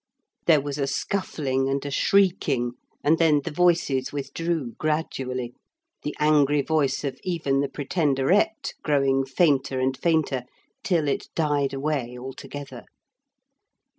There was a scuffling and a shrieking and then the voices withdrew gradually, the angry voice of even the Pretenderette growing fainter and fainter till it died away altogether.